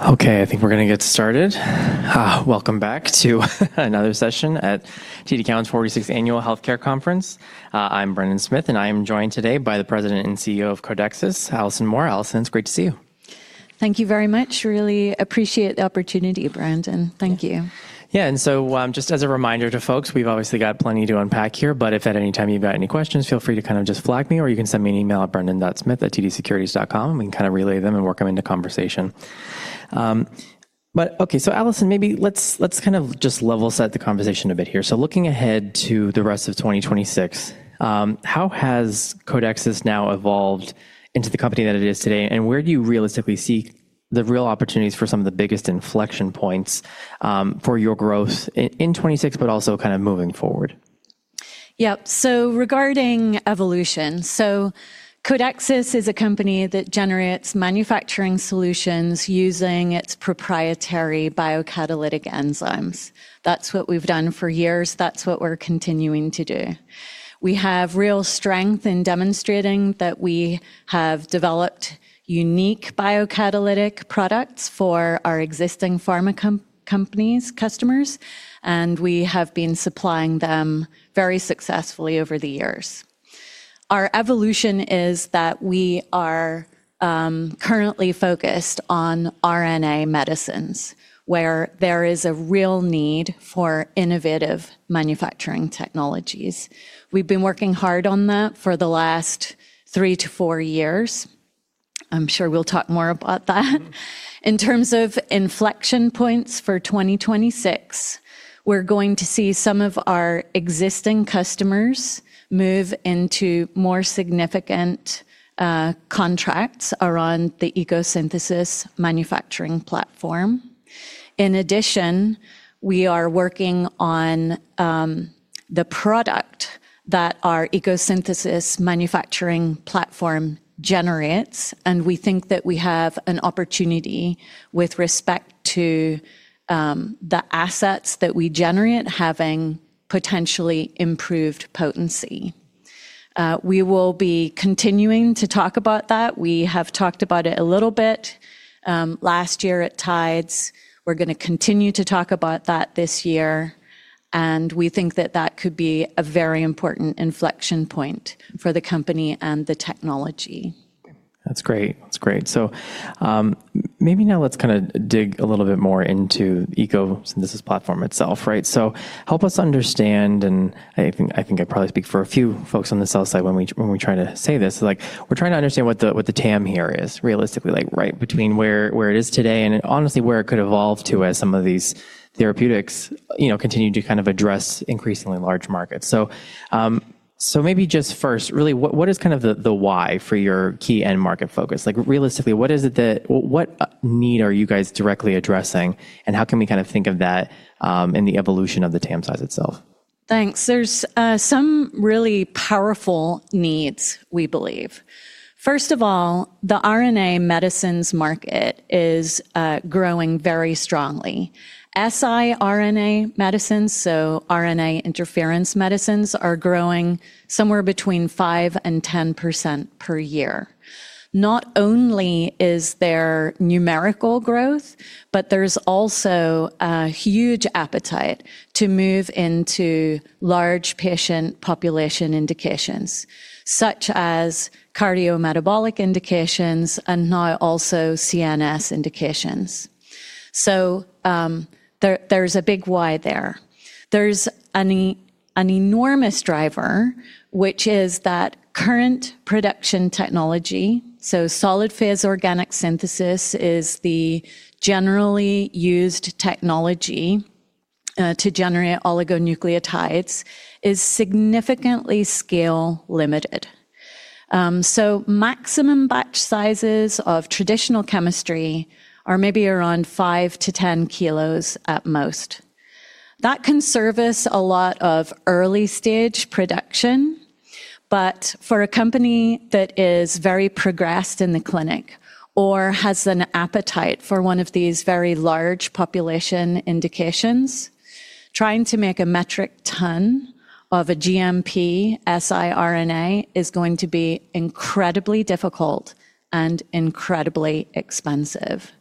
Okay, I think we're gonna get started. Welcome back to another session at TD Cowen's 46th Annual Health Care Conference. I'm Brendan Smith, and I am joined today by the president and CEO of Codexis, Alison Moore. Alison, it's great to see you. Thank you very much. Really appreciate the opportunity, Brendan. Thank you. Yeah. Just as a reminder to folks, we've obviously got plenty to unpack here, but if at any time you've got any questions, feel free to kinda just flag me, or you can send me an email at brendan.smith@tdsecurities.com and kinda relay them and work them into conversation. Okay, Alison, maybe let's kind of just level set the conversation a bit here. Looking ahead to the rest of 2026, how has Codexis now evolved into the company that it is today, and where do you realistically see the real opportunities for some of the biggest inflection points, for your growth in 2026, but also kind of moving forward? Yep. Regarding evolution, so Codexis is a company that generates manufacturing solutions using its proprietary biocatalytic enzymes. That's what we've done for years. That's what we're continuing to do. We have real strength in demonstrating that we have developed unique biocatalytic products for our existing pharma companies' customers, and we have been supplying them very successfully over the years. Our evolution is that we are currently focused on RNA medicines, where there is a real need for innovative manufacturing technologies. We've been working hard on that for the last 3 years - 4 years. I'm sure we'll talk more about that. Mm-hmm. In terms of inflection points for 2026, we're going to see some of our existing customers move into more significant contracts around the ECO Synthesis manufacturing platform. We are working on the product that our ECO Synthesis manufacturing platform generates. We think that we have an opportunity with respect to the assets that we generate having potentially improved potency. We will be continuing to talk about that. We have talked about it a little bit last year at TIDES. We're gonna continue to talk about that this year. We think that that could be a very important inflection point for the company and the technology. That's great. Maybe now let's kinda dig a little bit more into ECO Synthesis platform itself, right? Help us understand, and I think I probably speak for a few folks on the sell side when we, when we try to say this, like we're trying to understand what the TAM here is realistically, like right between where it is today and honestly, where it could evolve to as some of these therapeutics, you know, continue to kind of address increasingly large markets. Maybe just first, really, what is kind of the why for your key end market focus? Like realistically, what is it that what need are you guys directly addressing, and how can we kind of think of that in the evolution of the TAM size itself? Thanks. There's some really powerful needs, we believe. First of all, the RNA medicines market is growing very strongly. siRNA medicines, so RNA interference medicines, are growing somewhere between 5% and 10% per year. Not only is there numerical growth, but there's also a huge appetite to move into large patient population indications, such as cardiometabolic indications and now also CNS indications. There's a big why there. There's an enormous driver, which is that current production technology, so solid-phase organic synthesis is the generally used technology to generate oligonucleotides, is significantly scale limited. Maximum batch sizes of traditional chemistry are maybe around 5 kilos to 10 kilos at most. That can service a lot of early-stage production, but for a company that is very progressed in the clinic or has an appetite for one of these very large population indications, trying to make a metric ton of a GMP siRNA is going to be incredibly difficult and incredibly expensive.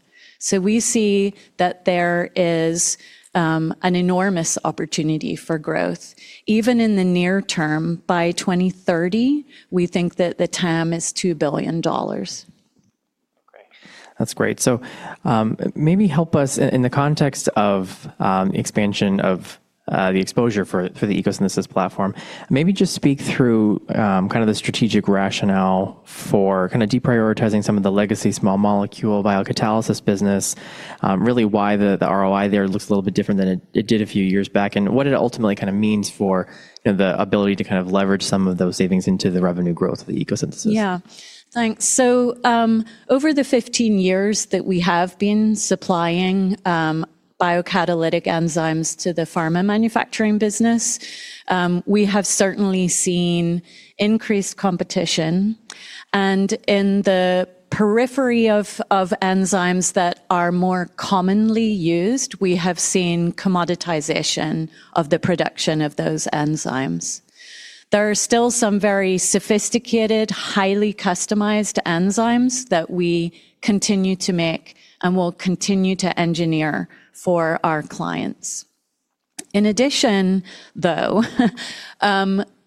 We see that there is an enormous opportunity for growth, even in the near term. By 2030, we think that the TAM is $2 billion. Great. That's great. maybe help us in the context of expansion of the exposure for the ECO Synthesis platform, maybe just speak through kind of the strategic rationale for kinda deprioritizing some of the legacy small molecule biocatalysis business, really why the ROI there looks a little bit different than it did a few years back, and what it ultimately kinda means for, you know, the ability to kind of leverage some of those savings into the revenue growth of the ECO Synthesis. Yeah. Thanks. over the 15 years that we have been supplying biocatalytic enzymes to the pharma manufacturing business, we have certainly seen increased competition, and in the periphery of enzymes that are more commonly used, we have seen commoditization of the production of those enzymes. There are still some very sophisticated, highly customized enzymes that we continue to make and will continue to engineer for our clients. In addition, though,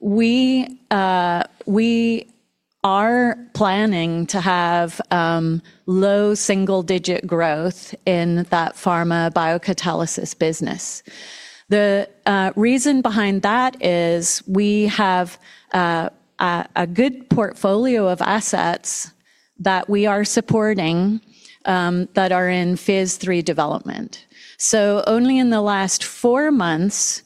we are planning to have low single-digit growth in that pharma biocatalysis business. The reason behind that is we have a good portfolio of assets that we are supporting that are in Phase III development. only in the last four months,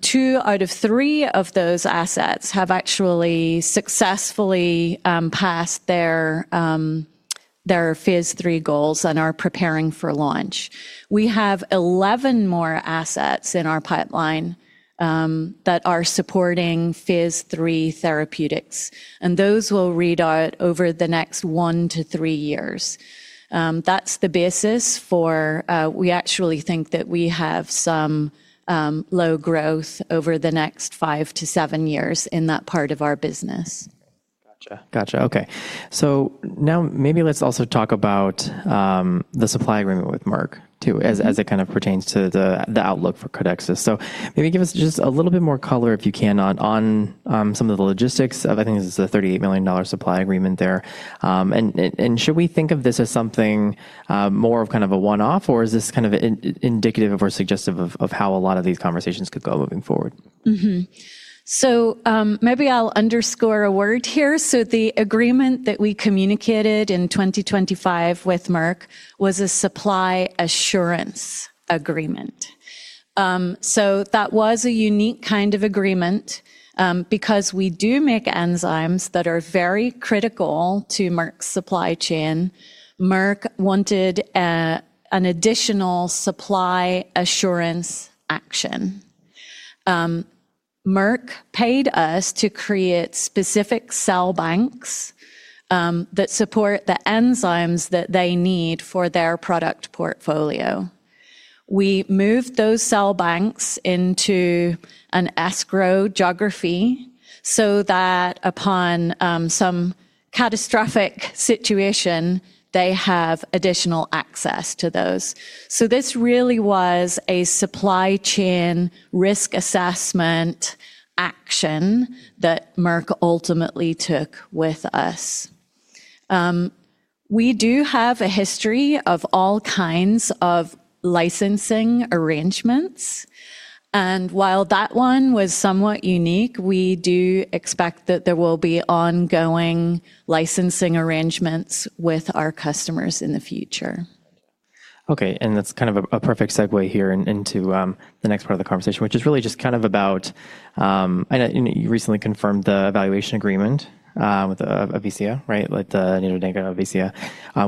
two out of three of those assets have actually successfully passed their Phase III goals and are preparing for launch. We have 11 more assets in our pipeline, that are supporting Phase III therapeutics, and those will read out over the next 1 years - 3 years. That's the basis for, we actually think that we have some, low growth over the next 5 years - 7 years in that part of our business. Gotcha. Okay. Now maybe let's also talk about the supply agreement with Merck too. Mm-hmm... as it kind of pertains to the outlook for Codexis. Maybe give us just a little bit more color, if you can, on some of the logistics of, I think this is the $38 million supply agreement there. Should we think of this as something more of kind of a one-off, or is this kind of indicative of or suggestive of how a lot of these conversations could go moving forward? Maybe I'll underscore a word here. The agreement that we communicated in 2025 with Merck was a supply assurance agreement. That was a unique kind of agreement because we do make enzymes that are very critical to Merck's supply chain. Merck wanted an additional supply assurance action. Merck paid us to create specific cell banks that support the enzymes that they need for their product portfolio. We moved those cell banks into an escrow geography so that upon some catastrophic situation, they have additional access to those. This really was a supply chain risk assessment action that Merck ultimately took with us. We do have a history of all kinds of licensing arrangements, and while that one was somewhat unique, we do expect that there will be ongoing licensing arrangements with our customers in the future. Okay, that's kind of a perfect segue here into the next part of the conversation, which is really just kind of about, you know, you recently confirmed the evaluation agreement with Avecia, right? With the Nitto Avecia,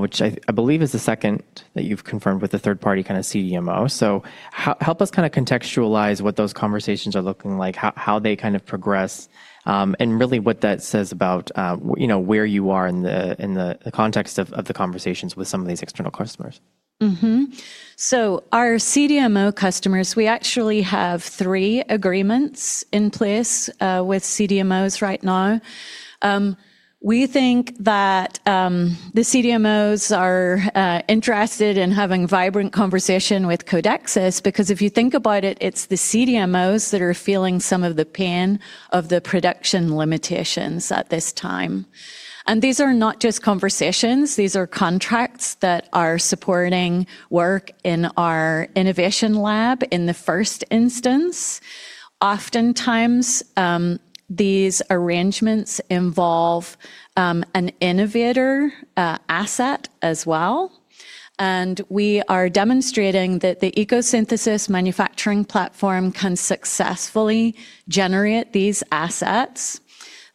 which I believe is the second that you've confirmed with a third-party kind of CDMO. Help us kinda contextualize what those conversations are looking like, how they kind of progress, and really what that says about, you know, where you are in the context of the conversations with some of these external customers. Our CDMO customers, we actually have three agreements in place with CDMOs right now. We think that the CDMOs are interested in having vibrant conversation with Codexis because if you think about it's the CDMOs that are feeling some of the pain of the production limitations at this time. These are not just conversations, these are contracts that are supporting work in our Innovation Lab in the first instance. Oftentimes, these arrangements involve an innovator asset as well, and we are demonstrating that the ECO Synthesis manufacturing platform can successfully generate these assets.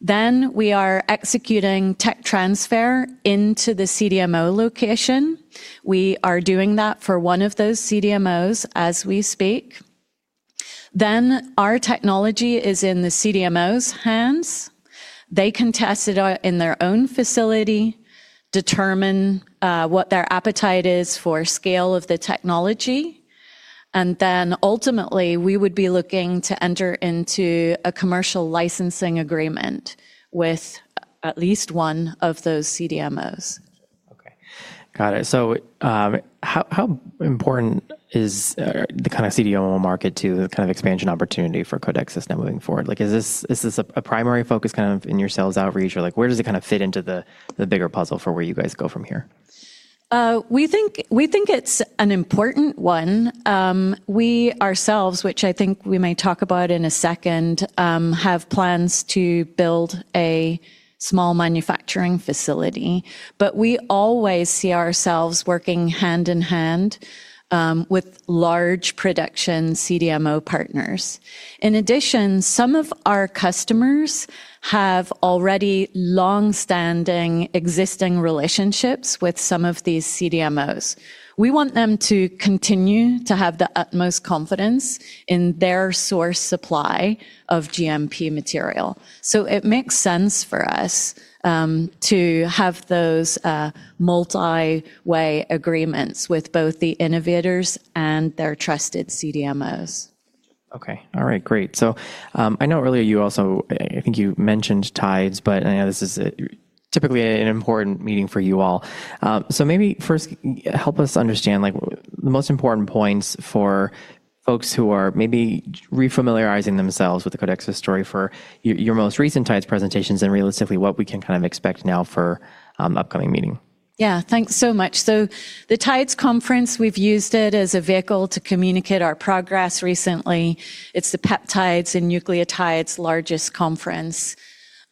We are executing tech transfer into the CDMO location. We are doing that for 1 of those CDMOs as we speak. Our technology is in the CDMO's hands. They can test it in their own facility, determine what their appetite is for scale of the technology, and then ultimately, we would be looking to enter into a commercial licensing agreement with at least one of those CDMOs. Okay. Got it. how important is the kind of CDMO market to the kind of expansion opportunity for Codexis now moving forward? Like, is this a primary focus kind of in your sales outreach? Or like, where does it kind of fit into the bigger puzzle for where you guys go from here? We think it's an important one. We ourselves, which I think we may talk about in a second, have plans to build a small manufacturing facility. We always see ourselves working hand in hand with large production CDMO partners. In addition, some of our customers have already longstanding existing relationships with some of these CDMOs. We want them to continue to have the utmost confidence in their source supply of GMP material. It makes sense for us to have those multi-way agreements with both the innovators and their trusted CDMOs. Okay. All right. Great. I know earlier you also, I think you mentioned TIDES, but I know this is typically an important meeting for you all. Maybe first help us understand, like, the most important points for folks who are maybe refamiliarizing themselves with the Codexis story for your most recent TIDES presentations and realistically what we can kind of expect now for upcoming meeting. Yeah. Thanks so much. The TIDES conference, we've used it as a vehicle to communicate our progress recently. It's the peptides and nucleotides largest conference.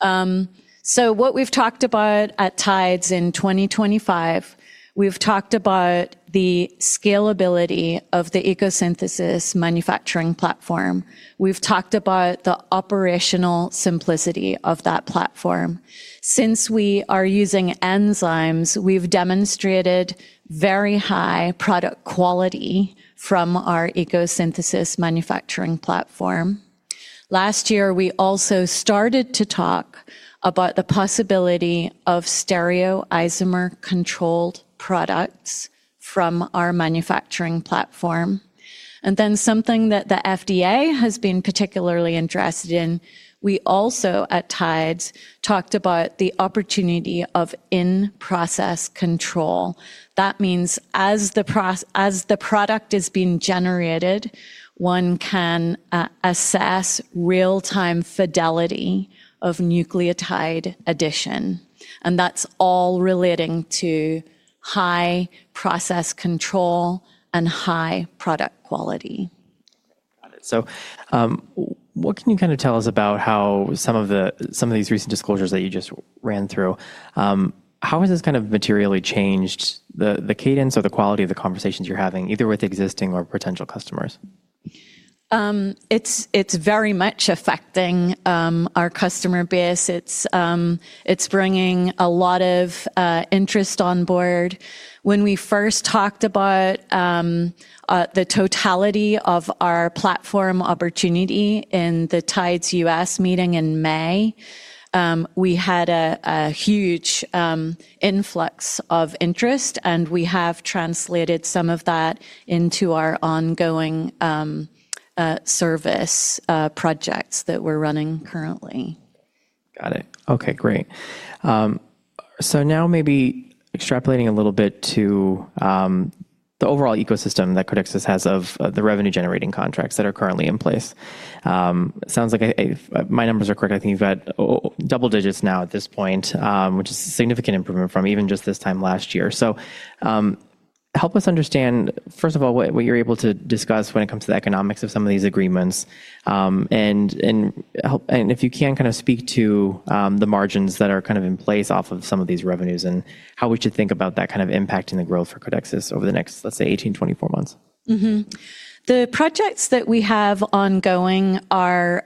What we've talked about at TIDES in 2025, we've talked about the scalability of the ECO Synthesis manufacturing platform. We've talked about the operational simplicity of that platform. Since we are using enzymes, we've demonstrated very high product quality from our ECO Synthesis manufacturing platform. Last year, we also started to talk about the possibility of stereoisomer-controlled products from our manufacturing platform. Something that the FDA has been particularly interested in, we also at TIDES talked about the opportunity of in-process control. That means as the product is being generated, one can assess real-time fidelity of nucleotide addition, and that's all relating to high process control and high product quality. Got it. What can you kinda tell us about how some of these recent disclosures that you just ran through, how has this kind of materially changed the cadence or the quality of the conversations you're having, either with existing or potential customers? It's very much affecting our customer base. It's bringing a lot of interest on board. When we first talked about the totality of our platform opportunity in the TIDES U.S. meeting in May, we had a huge influx of interest, and we have translated some of that into our ongoing service projects that we're running currently. Got it. Okay, great. Now maybe extrapolating a little bit to the overall ecosystem that Codexis has of the revenue-generating contracts that are currently in place. Sounds like if my numbers are correct, I think you've got double digits now at this point, which is a significant improvement from even just this time last year. Help us understand, first of all, what you're able to discuss when it comes to the economics of some of these agreements, and if you can kind of speak to the margins that are kind of in place off of some of these revenues and how we should think about that kind of impact in the growth for Codexis over the next, let's say, 18, 24 months. The projects that we have ongoing are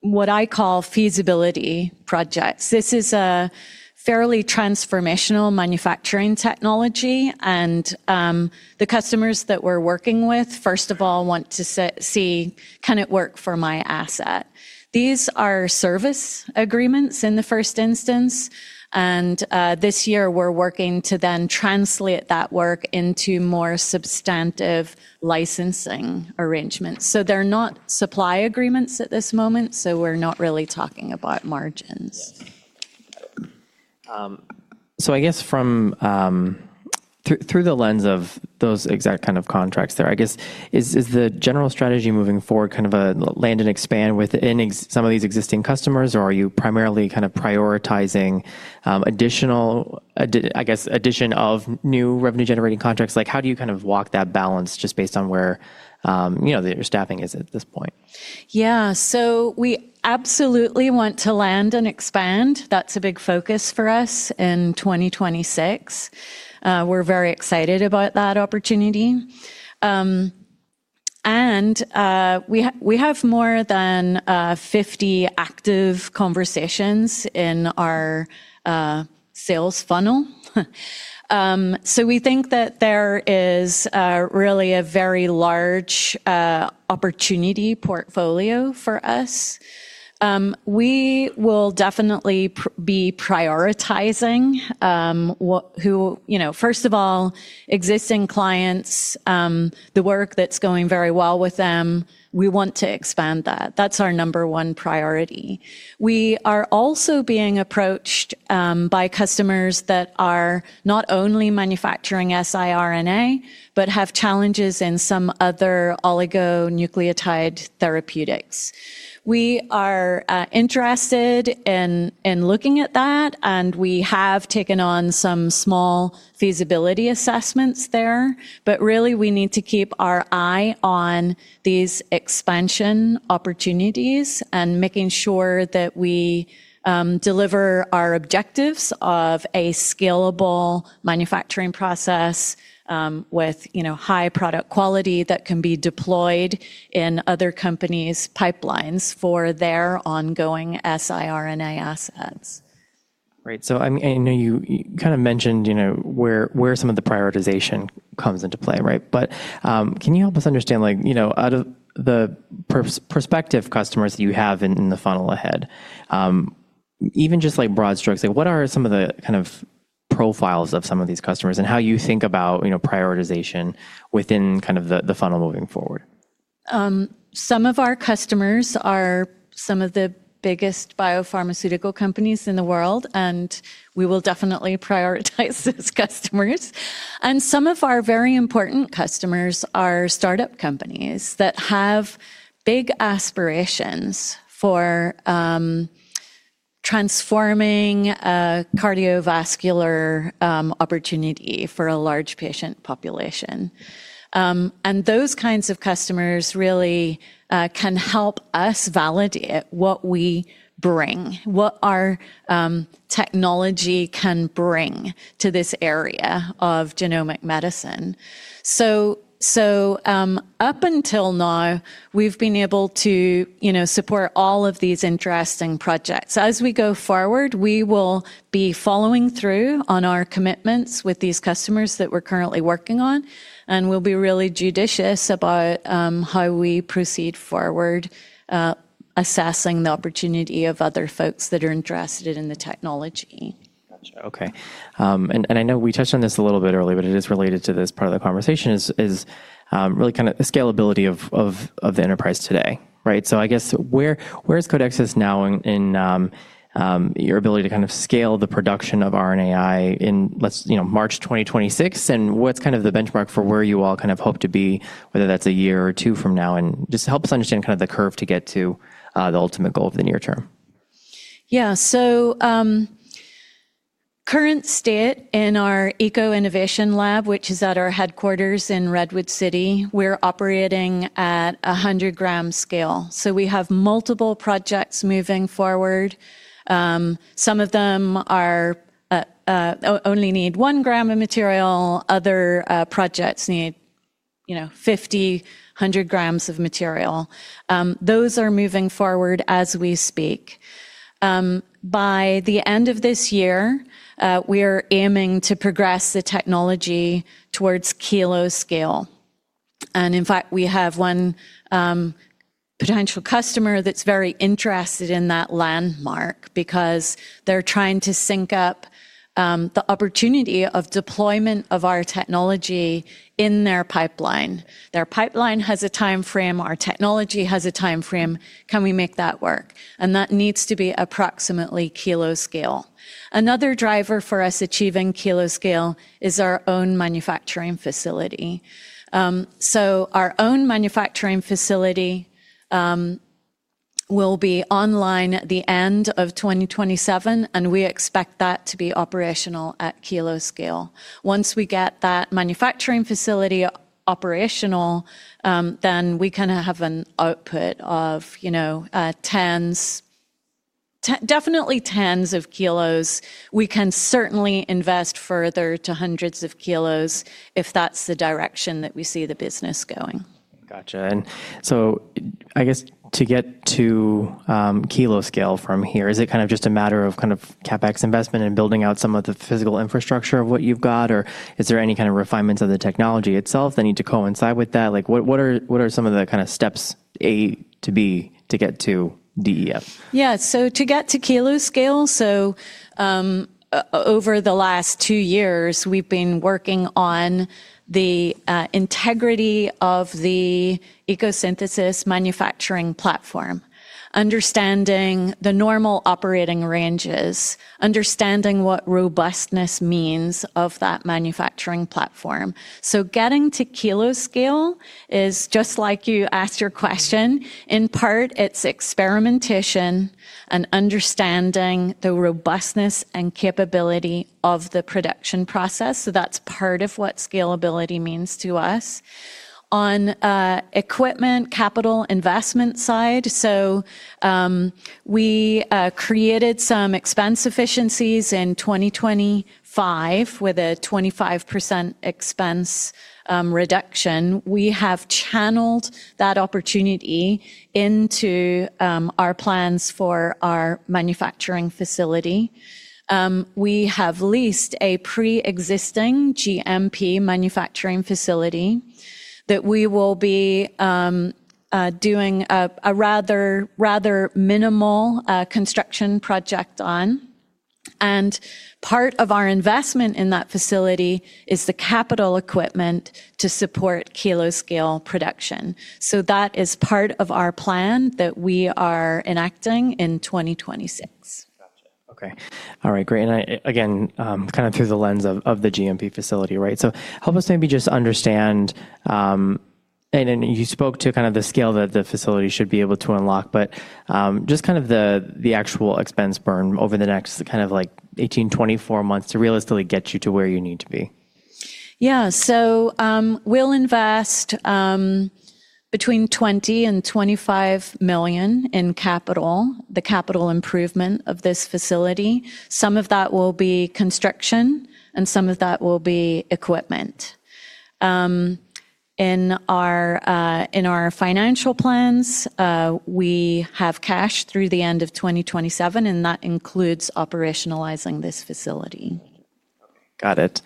what I call feasibility projects. This is a fairly transformational manufacturing technology, and the customers that we're working with, first of all, want to see, can it work for my asset? These are service agreements in the first instance. This year we're working to then translate that work into more substantive licensing arrangements. They're not supply agreements at this moment, so we're not really talking about margins. I guess from, through the lens of those exact kind of contracts there, I guess is the general strategy moving forward kind of a land and expand within some of these existing customers, or are you primarily kind of prioritizing, additional addition of new revenue-generating contracts? Like, how do you kind of walk that balance just based on where, you know, your staffing is at this point? Yeah. We absolutely want to land and expand. That's a big focus for us in 2026. We're very excited about that opportunity. We have more than 50 active conversations in our sales funnel. We think that there is really a very large opportunity portfolio for us. We will definitely be prioritizing who, you know, first of all, existing clients, the work that's going very well with them, we want to expand that. That's our number one priority. We are also being approached by customers that are not only manufacturing siRNA, but have challenges in some other oligonucleotide therapeutics. We are interested in looking at that, and we have taken on some small feasibility assessments there. Really, we need to keep our eye on these expansion opportunities and making sure that we deliver our objectives of a scalable manufacturing process, with, you know, high product quality that can be deployed in other companies' pipelines for their ongoing siRNA assets. Right. And I know you kind of mentioned, you know, where some of the prioritization comes into play, right? Can you help us understand, like, you know, out of the prospective customers you have in the funnel ahead, even just like broad strokes, like what are some of the kind of profiles of some of these customers and how you think about, you know, prioritization within kind of the funnel moving forward? Some of our customers are some of the biggest biopharmaceutical companies in the world, and we will definitely prioritize those customers. Some of our very important customers are startup companies that have big aspirations for transforming a cardiovascular opportunity for a large patient population. Those kinds of customers really can help us validate what we bring, what our technology can bring to this area of genomic medicine. Up until now, we've been able to, you know, support all of these interesting projects. As we go forward, we will be following through on our commitments with these customers that we're currently working on, and we'll be really judicious about how we proceed forward, assessing the opportunity of other folks that are interested in the technology. Gotcha. Okay. I know we touched on this a little bit earlier, but it is related to this part of the conversation is really kind of the scalability of the enterprise today, right? I guess where is Codexis now in your ability to kind of scale the production of RNAi in let's, you know, March 2026? What's kind of the benchmark for where you all kind of hope to be, whether that's a year or two from now? Just help us understand kind of the curve to get to the ultimate goal of the near term. Yeah. Current state in our ECO Innovation Lab, which is at our headquarters in Redwood City, we're operating at a 100-gram scale. We have multiple projects moving forward. Some of them are only need one gram of material, other projects need, you know, 50 grams, 100 grams of material. Those are moving forward as we speak. By the end of this year, we're aiming to progress the technology towards kilo scale. In fact, we have one potential customer that's very interested in that landmark because they're trying to sync up the opportunity of deployment of our technology in their pipeline. Their pipeline has a timeframe, our technology has a timeframe. Can we make that work? That needs to be approximately kilo scale. Another driver for us achieving kilo scale is our own manufacturing facility. Our own manufacturing facility will be online at the end of 2027. We expect that to be operational at kilo scale. Once we get that manufacturing facility operational, we kinda have an output of, you know, tens, definitely tens of kilos. We can certainly invest further to hundreds of kilos if that's the direction that we see the business going. Gotcha. I guess to get to kilo scale from here, is it kind of just a matter of CapEx investment and building out some of the physical infrastructure of what you've got, or is there any kind of refinements of the technology itself that need to coincide with that? Like what are some of the kinda steps A to B to get to DEF? To get to kilo scale, over the last two years, we've been working on the integrity of the ECO Synthesis manufacturing platform, understanding the normal operating ranges, understanding what robustness means of that manufacturing platform. Getting to kilo scale is just like you asked your question. In part, it's experimentation and understanding the robustness and capability of the production process, so that's part of what scalability means to us. On equipment, capital investment side, we created some expense efficiencies in 2025 with a 25% expense reduction. We have channeled that opportunity into our plans for our manufacturing facility. We have leased a preexisting GMP manufacturing facility that we will be doing a rather minimal construction project on. Part of our investment in that facility is the capital equipment to support kilo scale production. That is part of our plan that we are enacting in 2026. Gotcha. Okay. All right, great. I again, kind of through the lens of the GMP facility, right? Help us maybe just understand, and then you spoke to kind of the scale that the facility should be able to unlock, but, just kind of the actual expense burn over the next kind of like 18-24 months to realistically get you to where you need to be? Yeah. We'll invest between $20 million and $25 million in capital, the capital improvement of this facility. Some of that will be construction, and some of that will be equipment. In our financial plans, we have cash through the end of 2027, and that includes operationalizing this facility. Got it.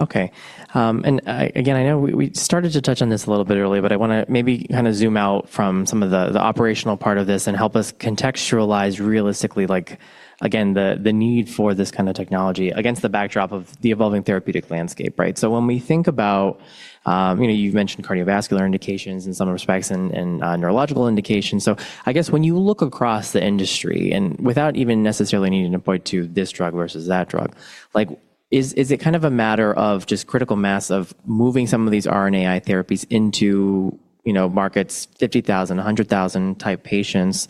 Okay. Again, I know we started to touch on this a little bit earlier, but I wanna maybe kinda zoom out from some of the operational part of this and help us contextualize realistically, like again, the need for this kinda technology against the backdrop of the evolving therapeutic landscape, right? When we think about, you know, you've mentioned cardiovascular indications in some respects and neurological indications. I guess when you look across the industry, and without even necessarily needing to point to this drug versus that drug, like is it kind of a matter of just critical mass of moving some of these RNAi therapies into, you know, markets 50,000, 100,000 type patients?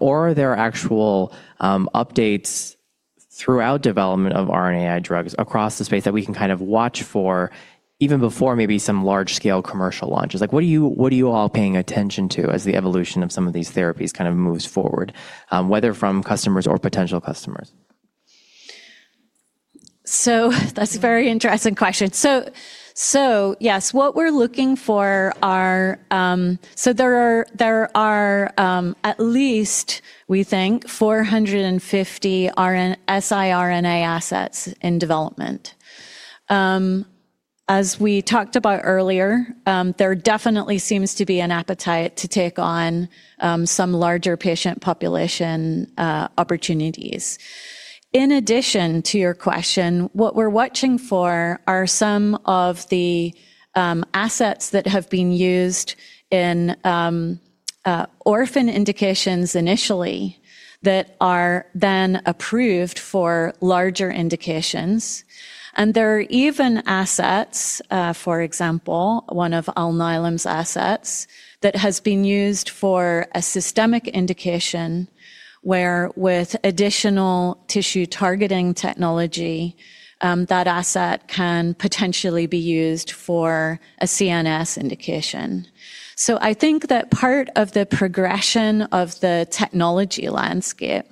Or are there actual updates throughout development of RNAi drugs across the space that we can kind of watch for even before maybe some large-scale commercial launches? Like, what are you all paying attention to as the evolution of some of these therapies kind of moves forward, whether from customers or potential customers? That's a very interesting question. Yes, what we're looking for are, there are, at least we think 450 siRNA assets in development. As we talked about earlier, there definitely seems to be an appetite to take on some larger patient population opportunities. In addition to your question, what we're watching for are some of the assets that have been used in orphan indications initially that are then approved for larger indications. There are even assets, for example, one of Alnylam's assets that has been used for a systemic indication where with additional tissue targeting technology, that asset can potentially be used for a CNS indication. I think that part of the progression of the technology landscape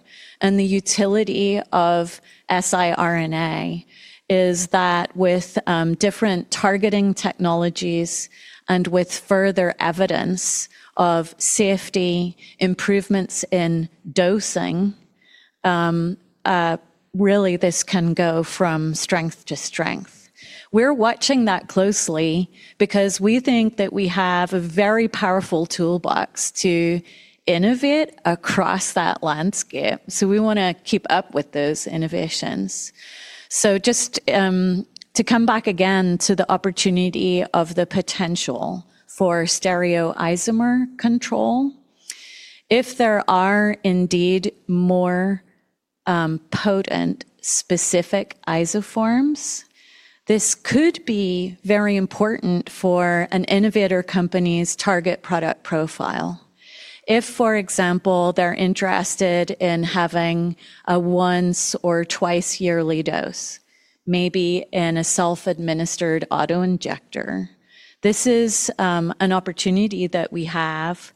and the utility of siRNA is that with different targeting technologies and with further evidence of safety improvements in dosing, really this can go from strength to strength. We're watching that closely because we think that we have a very powerful toolbox to innovate across that landscape, so we wanna keep up with those innovations. Just to come back again to the opportunity of the potential for stereoisomer control, if there are indeed more potent specific isoforms, this could be very important for an innovator company's target product profile. If, for example, they're interested in having a once or twice yearly dose, maybe in a self-administered auto-injector, this is an opportunity that we have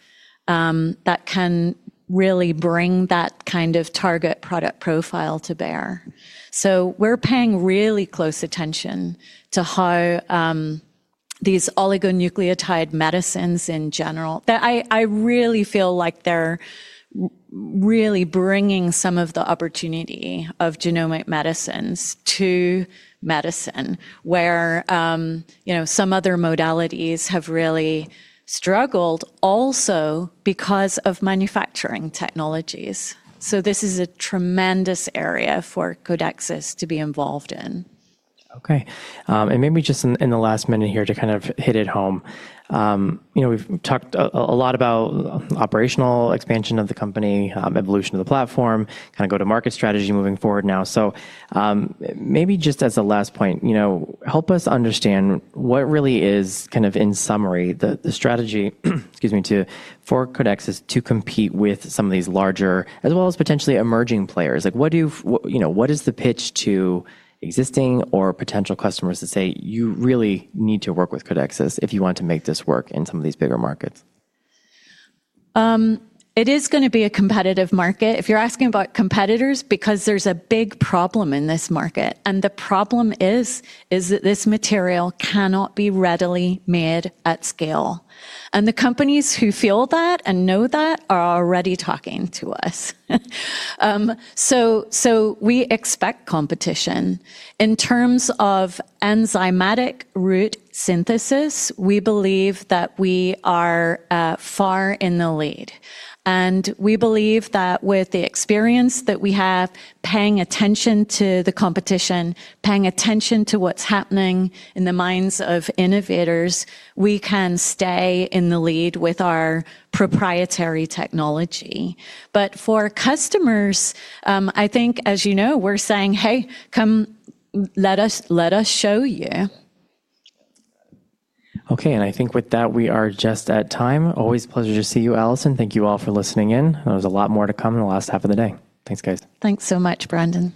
that can really bring that kind of target product profile to bear. We're paying really close attention to how these oligonucleotide medicines in general. That I really feel like they're really bringing some of the opportunity of genomic medicines to medicine where, you know, some other modalities have really struggled also because of manufacturing technologies. This is a tremendous area for Codexis to be involved in. Okay. Maybe just in the last minute here to kind of hit it home, you know, we've talked a lot about operational expansion of the company, evolution of the platform, kinda go to market strategy moving forward now. Maybe just as a last point, you know, help us understand what really is kind of in summary the strategy, excuse me, for Codexis to compete with some of these larger as well as potentially emerging players. Like You know, what is the pitch to existing or potential customers to say, "You really need to work with Codexis if you want to make this work in some of these bigger markets"? It is gonna be a competitive market if you're asking about competitors, because there's a big problem in this market, and the problem is that this material cannot be readily made at scale. The companies who feel that and know that are already talking to us. We expect competition. In terms of enzymatic route of synthesis, we believe that we are far in the lead, and we believe that with the experience that we have paying attention to the competition, paying attention to what's happening in the minds of innovators, we can stay in the lead with our proprietary technology. For customers, I think, as you know, we're saying, "Hey, come let us, let us show you. Okay. I think with that, we are just at time. Always a pleasure to see you, Alison. Thank you all for listening in. There's a lot more to come in the last half of the day. Thanks, guys. Thanks so much, Brendan.